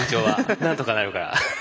なんとかなるから。